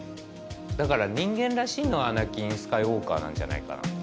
だから人間らしいのはアナキン・スカイウォーカーなんじゃないかな